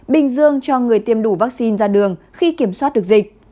bình dương cho người tiêm đủ vaccine ra đường khi kiểm soát được dịch